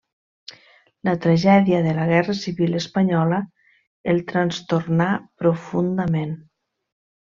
La tragèdia de la guerra civil espanyola el trastornà profundament.